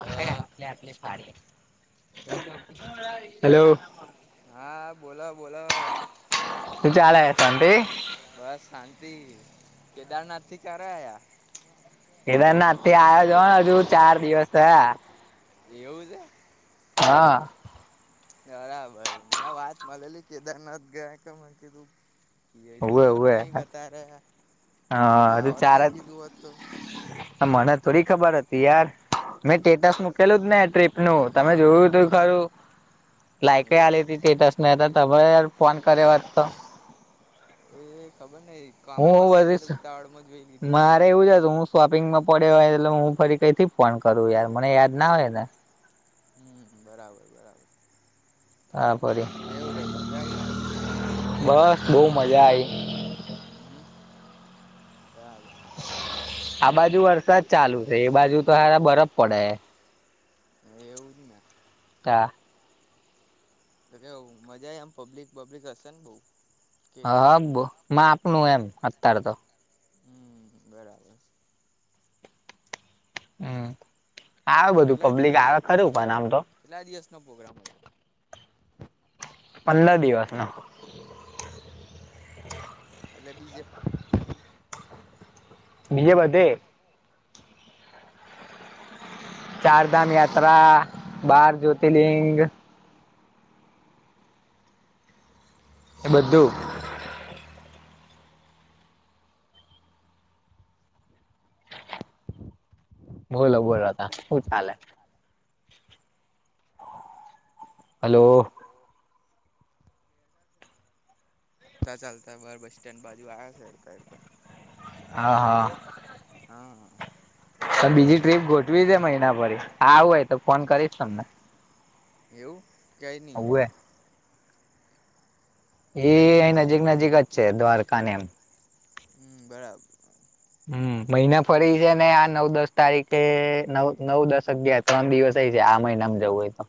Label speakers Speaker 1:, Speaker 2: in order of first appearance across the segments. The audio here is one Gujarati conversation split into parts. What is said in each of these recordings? Speaker 1: [unintelligible] રે આપલે આપલે સારી -
Speaker 2: હા, બોલો બોલો.
Speaker 1: હુ ચાલે શાંતિ
Speaker 2: બસ શાંતિ. કેદારનાથ થી ક્યારે આયા?
Speaker 1: કેદારનાથ આયા જોને હજુ ચાર દિવસ થયા.
Speaker 2: એવું છે.
Speaker 1: હા.
Speaker 2: બરાબર, મને વાત મલેલી કેદારનાથ ગયા કે, મૈં કીધુ. કીધુ
Speaker 1: ઉવે
Speaker 2: પણ
Speaker 1: ઉવે
Speaker 2: નઈ ગતા રહ્યા.
Speaker 1: હા
Speaker 2: અમે આવત નઈ કીધું હોત તો?
Speaker 1: પણ મને થોડી ખબર હતી યાર. મેં ટેટસ મકેલુજ ને આ ટ્રીપ નું તમે જોયું હતું ખરું. લાયક એ
Speaker 2: એવું
Speaker 1: આલે તે તેટસ ને તો તમેં યાર ફોન કર્યો હોત તો.
Speaker 2: એ ખબર નહી
Speaker 1: હું
Speaker 2: કામમાં હશે એટલે તો
Speaker 1: બધી
Speaker 2: ઉતાવળમાં જ જોઈ લીધું હશે.
Speaker 1: [unintelligible] શોપિંગમાં પડે હોય એટલે હું ફરી કઈ થી પણ કરું યાર મને યાદ ના હોય ને
Speaker 2: હમ્મ બરાબર બરાબર
Speaker 1: હાફરી
Speaker 2: કેવું રહ્યું મજા આવી
Speaker 1: બસ બહ મજા આઈ
Speaker 2: હમ્મ બરાબર
Speaker 1: આ બાજુ વરસાદ ચાલુ છે એ બાજુ તો સારા બરફ પડે
Speaker 2: એવું જ ને
Speaker 1: તા
Speaker 2: [unintelligible] મજા આમ પબ્લિક પબ્લિક હશે ને બઉ
Speaker 1: હ બ માપનું એમ અત્યારે તો
Speaker 2: હમ બરાબર
Speaker 1: હમ
Speaker 2: તો
Speaker 1: આવે બધું
Speaker 2: કેટલા
Speaker 1: પબ્લિક
Speaker 2: દિવસ
Speaker 1: આવે ખરું પણ આમ તો
Speaker 2: કેટલા દિવસનો પોગ્રામ હતો
Speaker 1: પંદર દિવસનો
Speaker 2: [inaudible] એટલે બીજે
Speaker 1: બીજે બધે ચાર ધામ
Speaker 2: ચાલતા
Speaker 1: યાત્રા બાર જ્યોતિર્લિંગ એ બધું બોલો બોલો હું ચાલે હલો
Speaker 2: તા ચાલતા બર બસ સ્ટેન્ડ બાજુ આયા છે હેડકા એડકા
Speaker 1: હ હા
Speaker 2: હા હા
Speaker 1: તો બીજી ટ્રીપ ગોઠવી દે મહિના ભરી આવું હોય તો ફોન કરીશ તમને
Speaker 2: એવું કઇની
Speaker 1: હવું એ
Speaker 2: કઈ નહી
Speaker 1: અહી
Speaker 2: ચાલ
Speaker 1: નજીક નજીક જ છે દ્વારકા ને એમ
Speaker 2: હમ બરાબર
Speaker 1: હમ મહિને ફરી છે ને આ નવ દસ તારીખે નવ નવ દસ અગિયાર ત્રણ દિવસ અય છે આ મહિના જવું હોય તો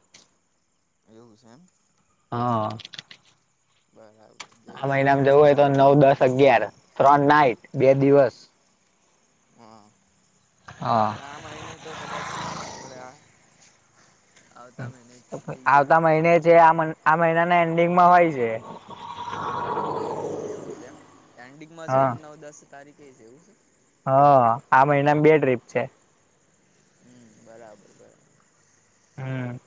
Speaker 2: એવું છે એમ
Speaker 1: હા
Speaker 2: બરાબર
Speaker 1: આ
Speaker 2: જઈશું
Speaker 1: મહિનામા જવું હોય તો નવ દસ અગિયાર ત્રણ નાઈટ બે દિવસ
Speaker 2: હા
Speaker 1: હા
Speaker 2: આ મહિને તો કદાચ ની નીકળે
Speaker 1: તો આવતા મહિને જ જે આ મ આ મહિનાના એન્ડિંગમાં હોય છે
Speaker 2: એવું છે એમ એન્ડિંગમાં છે નવ દસ તારીખે છે એવું છે
Speaker 1: હ આ મહિનામાં બે ટ્રીપ છે
Speaker 2: હ બરાબર બરાબર
Speaker 1: હમ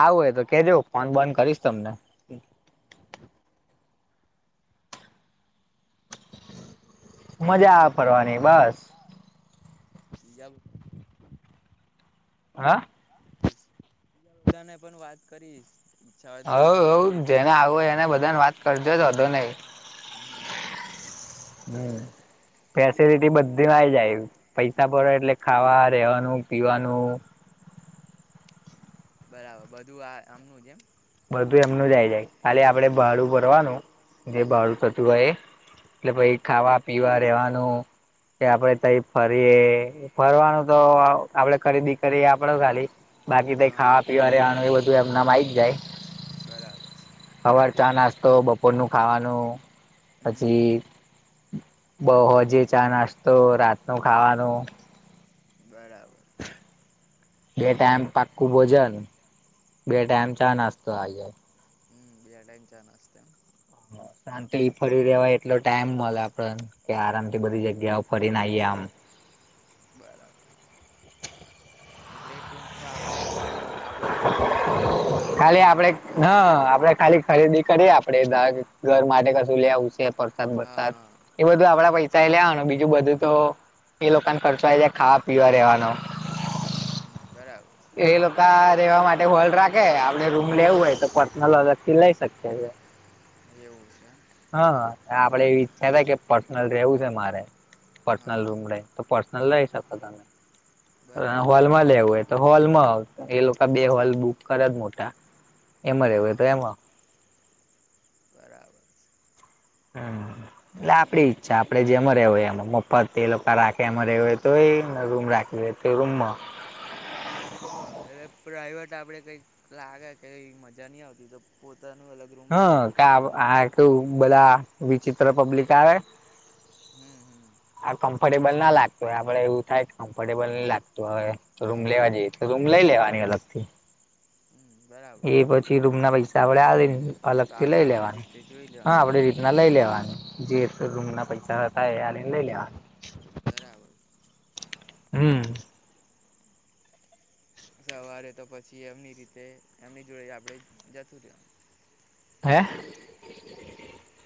Speaker 1: આવું હોય તો કેજો ફોન બોન કરીશ તમને મજાઆવે ફરવાની બસ
Speaker 2: [inaudible]
Speaker 1: હા
Speaker 2: દા ને પણ વાત કરયે
Speaker 1: હ હ જેને આવું હોય એને બધાને વાત કરજો વાધો નઈ
Speaker 2: હમ
Speaker 1: [unintelligible] ફેસિલિટી બધીમાં આવી જાય પૈસા પડે એટલે ખાવા રેવાનું પીવાનું
Speaker 2: બરાબ બધું આ એમનું જ એમ
Speaker 1: બધું એમનું જ આવી જાય ખાલી આપડે ભાડું ભરવાનું જે ભાડું
Speaker 2: હા
Speaker 1: થતું હોય એ કે ભઈ ખાવા પીવા રેવાનું કે આપડે તઈ ફરીએ ફરવાનું તો આપડે ખરીદી કરીએ આપડે ખાલી બાકી તો
Speaker 2: હા
Speaker 1: ખાવા પીવા પીવાનું આનું બધું એમનામાં આવી જ જાય
Speaker 2: બરાબર છે.
Speaker 1: હવાર ચા નાસ્તો બપોરનું ખાવાનું
Speaker 2: હમ હમ
Speaker 1: પછી હોજે ચા નાસ્તો રાતનો ખાવાનું
Speaker 2: બરાબર.
Speaker 1: બે ટાઈમ પાકું ભોજન બે ટાઈમ ચા નસ્તો આ
Speaker 2: હમ બે ટાઈમ ચા નાસ્ત
Speaker 1: શાંતિ ફરી લેવાય એટલો ટાઈમ મળે આપડેને કે આરામથી બધી જગ્યાઓ ફરીને આવીએ આમ
Speaker 2: બરાબર. એટલે ટૂંકમાં આપડે ખાલી આપડો ખર્ચો કરવાનો બીજું બધું
Speaker 1: ખાલી
Speaker 2: એમનું
Speaker 1: આપડે
Speaker 2: જાય છે.
Speaker 1: હ આપડે ખાલી ખરીદી કરીએ આપડે દ ઘર માટે કશું લેવું છે પ્રસાદ
Speaker 2: હા
Speaker 1: બરસાદ
Speaker 2: હા
Speaker 1: એ બધું આપડા પૈસા લેવાનું બીજું બધું તો એ લોકોને ખર્ચો આવી જાય ખાવા પીવા રેવાનો
Speaker 2: હમ બરાબર.
Speaker 1: એ લોકો રહેેવા માટે હોલ રાખે આપડે રૂમ લેવું હોય તો પર્સનલ અલગ થી લઈ શકીએ.
Speaker 2: એવું છે.
Speaker 1: હા આપડે એવી ઈચ્છા હતા કે પર્સનલ રહેવું છે મારે
Speaker 2: હા
Speaker 1: પર્સનલ
Speaker 2: હા
Speaker 1: રૂમે તો પર્સનલ લઈ શકો તમે
Speaker 2: બરાબર
Speaker 1: હોલમાં લેવું તો હોલમાં એ લોકો બે હોલ બુક કરે જ મોટા એમાં
Speaker 2: હા
Speaker 1: રેવાય તો
Speaker 2: હા
Speaker 1: એમાં
Speaker 2: બરાબર.
Speaker 1: હમ એટલે આપડી
Speaker 2: હમ
Speaker 1: ઈચ્છા આપણેે જેમાં રેવું હોય એમાં મફત એ લોકો રાખે એમાં રેવું હોય તોયને રૂમ રાખવી હોય તો રૂમમાં.
Speaker 2: હા એટલે પ્રઇવેટ આપડે કઈક લાગે કઈ મજા નહી આવતી તો પોતાનું અલગ રૂમ
Speaker 1: હા
Speaker 2: રહી
Speaker 1: ક આ કેવું બધા વિચિત્ર પબ્લિક આવે
Speaker 2: હમ હમ.
Speaker 1: આ કમ્ફર્ટેબલ ના લાગતું હોય આપડે એવું થાય કે કમ્ફર્ટેબલ નહી લાગતું હવે રૂમ
Speaker 2: હા
Speaker 1: લેવા જઈએ તો રૂમ લઈ લેવાની અલગ થી
Speaker 2: [inaudible]
Speaker 1: એ
Speaker 2: છે
Speaker 1: પછી રૂમ ના પૈસા આપડે આવીને
Speaker 2: એ તો
Speaker 1: અલગથી
Speaker 2: આપણે
Speaker 1: લઈ
Speaker 2: આપણી
Speaker 1: લેવાનું
Speaker 2: રીતે જોઈ
Speaker 1: હા
Speaker 2: લેવાનું
Speaker 1: આપડી
Speaker 2: બીજું
Speaker 1: રીતના લઈ લેવાનું જે તો રૂમ ના પૈસા હતા એ આલી ને લઈ લેવાના
Speaker 2: બરાબર.
Speaker 1: હમ.
Speaker 2: સવારે તો પછી એમની રીતે એમની જોડે આપડે જતું રહે
Speaker 1: હે.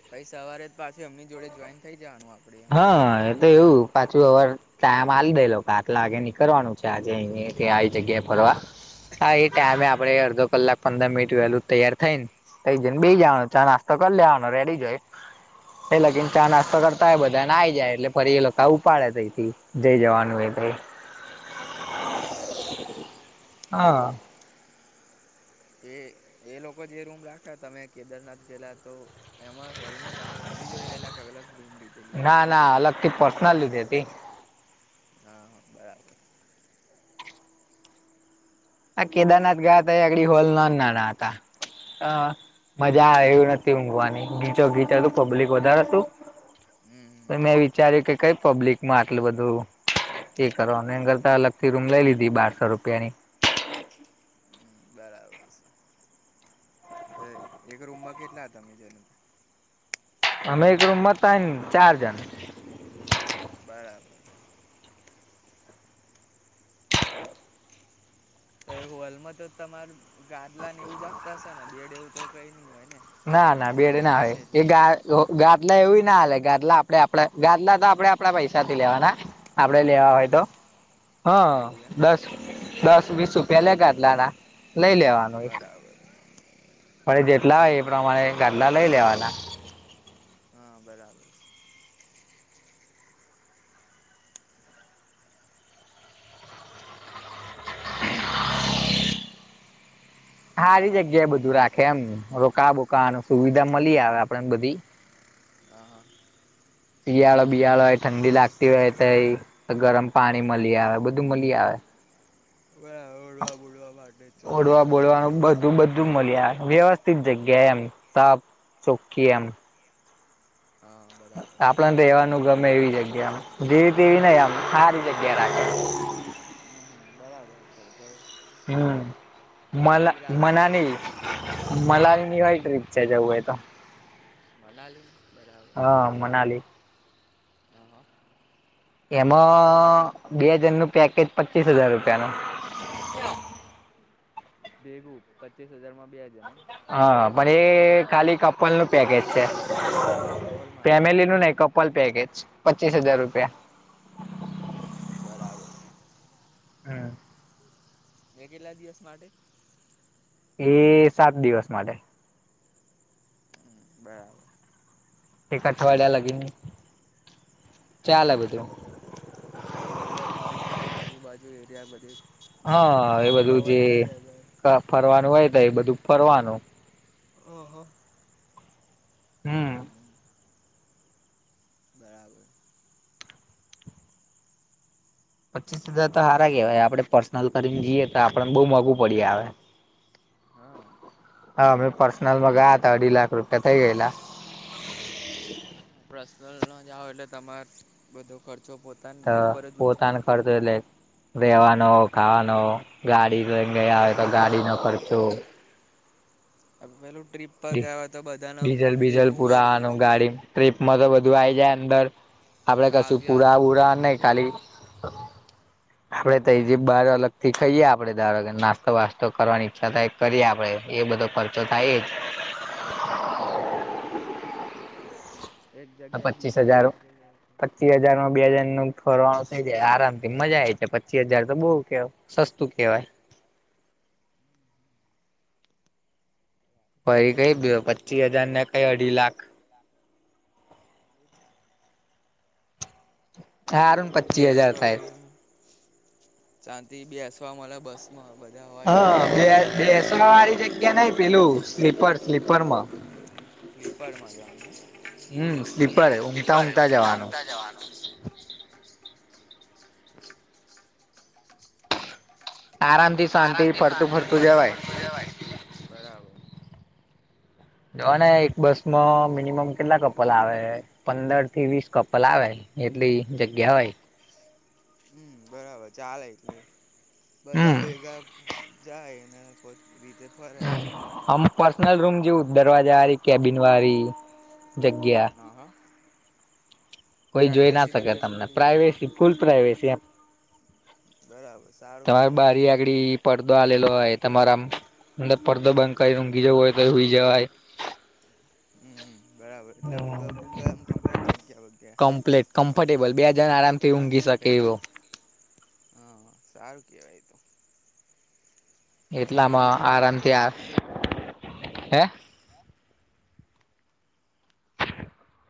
Speaker 2: ભાઈ સવારે જ પાછી એમની જોડે જોઈન થઈ જવાનું આપડે એમ
Speaker 1: હા એ તો એવું પાછું અવાર ટાઈમ આલી દે લોકો આટલા આગે નીકળવાનું છે આજે અહીંયા આવી જગ્યાએ ફરવા હા એ ટાઈમે આપડે અડધો કલાક પંદર મિનિટ વહેલું તૈયાર થાઈને તઈ બેસી જવાનું ચા નાસ્તો કરી લેવાનો રેડી જોઈ તઈ લગીને ચા
Speaker 2: હા
Speaker 1: નાસ્તો કર બધાને આઈ જાય એટલે ફરી એ લોકો ઉપાડે તઈથી જઈ જવાનું એ
Speaker 2: બરાબર
Speaker 1: હા.
Speaker 2: [inaudible] એ લોકો જે રૂમ રાખ્યા અમે કેદારનાથ ગયેલા તો એમાં હોલમાં તમે એમની જોડે રહેલા અલગ રૂમ લીધેલી?
Speaker 1: ના ના અલગથી પર્સનલ લીધી હતી.
Speaker 2: હા હા બરાબર.
Speaker 1: આ કેદારનાથ ગયા હતા આગળ હોલ ના નાના હતા. હ મજા આવવી નથી ઊંઘવાની ગીચો ગીચો હતું પબ્લિક વધારે હતું
Speaker 2: હમ
Speaker 1: મેં વિચાર્યું કે કઈ પબ્લિક માં આટલું બધું એ કરો કરતા અલગ થી રૂમ લઈ લીધી બારસો રૂપિયા ની [inaudible] [unintelligible]
Speaker 2: હમ બરાબર એક રૂમમાં કેટલા હતા તમે જન.
Speaker 1: અમે એક રૂમમાં ત્રણ ચાર જણ.
Speaker 2: બરાબર હોલમાં તો તમાર ગાદલા ને એવું જ આપતા હશે ને બેડ એવું તો કઈ નઈ હોય ને
Speaker 1: ના ના બેડ ના
Speaker 2: હોલ
Speaker 1: આવે
Speaker 2: હશે
Speaker 1: એ
Speaker 2: એટલે
Speaker 1: ગાદ ગાદલા એવીું ના હાલે ગાદલા આપે આપડા ગાદલા તો આપડે આપડા પૈસા થી લેવાના આપડે લેવા હોય તો
Speaker 2: એવું
Speaker 1: હા
Speaker 2: એવું એમ
Speaker 1: બસ દસ વીસ રૂપિયા લે ગાદલાના લઈ લેવાનું
Speaker 2: બરાબર
Speaker 1: પણ જેટલા
Speaker 2: હા
Speaker 1: હોય એ
Speaker 2: હા
Speaker 1: પ્રમાણે એગાદલા લઈ લેવાના
Speaker 2: હા બરાબર
Speaker 1: [inaudible] સારી જગ્યા એ બધું રાખે એમ રોકા બોકા સુવિધા મળી આવે આપડેને બધી
Speaker 2: હા હા
Speaker 1: શિયાળો બિયાળો હોય ઠંડી લાગતી હોય તો ગરમ પાણી મળી આવે બધું મળી આવે.
Speaker 2: વ ઓઢવા બોઢવા માટે
Speaker 1: ઓડવા
Speaker 2: ચોરસા આવે.
Speaker 1: બોડવાનું બધું મળી આવે વ્યવસ્થિત જગ્યા એમ સાફ ચોખી એમ.
Speaker 2: હા બરાબર
Speaker 1: આપડને રહેવાનું ગમે એવી જગ્યા. જેવી તેવી નહીં આમ હારી જગ્યા લાગે.
Speaker 2: બરાબર [inaudible]
Speaker 1: હમ મલા
Speaker 2: હારી રાખો તો જ
Speaker 1: મનાની મલા નિવાળ ટ્ર્રીપ જવું એ તો
Speaker 2: મનાલી બરાબર
Speaker 1: હા મનાલી
Speaker 2: હા હા
Speaker 1: એમાં બેજણ ન પેકેજ પચીસ હજાર રૂપિયા નું.
Speaker 2: ભેગુ પચીસ હજાર માં બે હજાર એમ
Speaker 1: હા પણ એ ખાલી કપલ નું પેકેજ છે
Speaker 2: કપલ માટે છે
Speaker 1: ફેમિલી નું ને કપલ પેકેજ પચીસ હજાર રૂપિયા
Speaker 2: હું બરાબર
Speaker 1: હમ
Speaker 2: હે કેટલા દિવસ માટે
Speaker 1: એ સાત દિવસ માટે.
Speaker 2: હમ બરાબર
Speaker 1: એક અઠવાડિયા લાગી ને ચાલે બધું.
Speaker 2: હ એટલે મા નાલી આજુબાજુ એરિયા બધી
Speaker 1: હા એ બધું જે ફરવાનું હોય તો એ બધું ફરવાનું
Speaker 2: હો હો
Speaker 1: હમ
Speaker 2: બરાબર
Speaker 1: પચીસ હજાર તો હારા કેહેવાય આપડે પર્સનલ કરીને જઈએ તો આપડને બહુ મોંગુ પડીએ આવે
Speaker 2: હા
Speaker 1: હા અમે પર્સનલમાં ગયા હતા અઢી લાખ રૂપિયા થઈ ગયેલા.
Speaker 2: પર્સનલ નો જાઓ એટલે તમારે બધો ખર્ચો પોતાના ઉપર જ ઉઠાય
Speaker 1: અડધો લે રહેેવાનો, ખાવાનો, ગાડી લઈને ગયા હોય તો ગાડી ન ખર્ચો
Speaker 2: પેલું ટ્રીપ પર ગયા હોય તો બધાનું
Speaker 1: ડીઝલ બીઝલ
Speaker 2: ભેગું હોય એટલે
Speaker 1: પુરાવાનું ગાડી ટ્રીપમાં તો બધું આવી જાય અંદર આપડે
Speaker 2: ખાવા
Speaker 1: કશું પુરા
Speaker 2: પીવાનું
Speaker 1: પુરા નહી ખાલી આપડે તો એ જે બાર અલગ થી ખાઈએ આપડે દાર નાસ્તો વાસ્તો કરવાની ઈચ્છા થાય. કરી આપડે, એ બધો ખર્ચો થાય જ
Speaker 2: હા, બરાબર. એક
Speaker 1: આ
Speaker 2: જગ્યાએ
Speaker 1: પચીસ
Speaker 2: બીજી
Speaker 1: હજાર,
Speaker 2: જગ્યા જવું હોય તો
Speaker 1: પચી
Speaker 2: એમની
Speaker 1: હજાર માં બે જણ નું ફરવાનું થઇ જાય આરામ થી, મજા આઈ જાય, પચી હજાર તો બહુ કેવ, સસ્તું કેવાય. પહી કઈ પચી હજાર ને કઈ અઢી લાખ હારું ને પચી હજાર
Speaker 2: બેસવા
Speaker 1: થાય
Speaker 2: [unintelligible] બેસવા મલે બસ માં બધા હોય એટલે
Speaker 1: હા બે
Speaker 2: આમ
Speaker 1: બેસવા
Speaker 2: એટલી બધી
Speaker 1: વાળી જગ્યા
Speaker 2: ચિંતા
Speaker 1: નઈ પેલું
Speaker 2: [unintelligible]
Speaker 1: સ્લીપર, સ્લીપરમાં.
Speaker 2: સ્લીપરમાં જાવાનું એમ? હમ્મ.
Speaker 1: હમ સ્લીપર ઊંઘતા
Speaker 2: સ્લીપર,
Speaker 1: ઊંઘતા જવાનું
Speaker 2: ઊંઘતા-ઊંઘતા જાવાનું. [inaudible]
Speaker 1: આરામથી શાંતિ ફરતું ફરતું જવાય
Speaker 2: બરાબર.
Speaker 1: જોવો ને એક બસમાં મિનિમમ કેટલા કપલ આવે પંદર થી વીસ કપલ આવે, એટલી જગ્યા હોય.
Speaker 2: હમ્મ, બરાબર ચાલે, એટલે બધા
Speaker 1: હમ
Speaker 2: ભેગા જાયને [unintelligible] રીતે ફરે એમ.
Speaker 1: આમ પર્સનલ રૂમ જેવું જ, દરવાજા વાળી, કેબિન વાળી જગ્યા.
Speaker 2: હમ્મ-હમ્મ.
Speaker 1: કોઈ જોઈ ના શકે તમને, પ્રાઈવેસી ફૂલ પ્રાઈવેસી એમ.
Speaker 2: બરાબર સારું
Speaker 1: તમારે બારી
Speaker 2: કેવાય.
Speaker 1: આગડી પડદો આલેલો હોય, તમારા આમ અંદર પડદો બંધ કરીન ઊંઘી જવું હોય તો હુઈ જવાય.
Speaker 2: હમ્મ. બરાબર એટલે ઊઘા બુઘા એમ કમ્પ્લીટ જગ્યા
Speaker 1: કમ્પ્લેટ
Speaker 2: [unintelligible] કમ્પ
Speaker 1: કમ્ફર્ટેબલ બે જણ આરામથી ઊંઘી
Speaker 2: કમ્ફર્ટ
Speaker 1: શકે
Speaker 2: ટેબલ,
Speaker 1: એવો
Speaker 2: હા સારું કહેવાય એ તો.
Speaker 1: એટલામાં
Speaker 2: બીજી આ
Speaker 1: આરામથી
Speaker 2: આપડે
Speaker 1: આ
Speaker 2: બીજી બધી બસો [unintelligible]
Speaker 1: હે [inaudible]